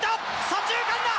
左中間だ！